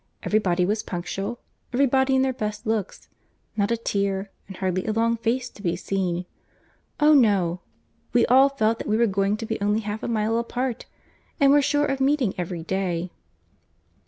Every body was punctual, every body in their best looks: not a tear, and hardly a long face to be seen. Oh no; we all felt that we were going to be only half a mile apart, and were sure of meeting every day."